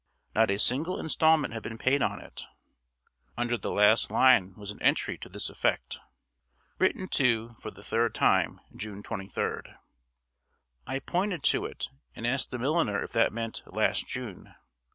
Not a single installment had been paid on it. Under the last line was an entry to this effect: "Written to for the third time, June 23d." I pointed to it, and asked the milliner if that meant "last June."